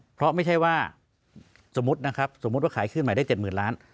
เพราะไม่ใช่ว่าสมมุตินะครับสมมุติว่าขายขึ้นใหม่ได้๗๐๐ล้าน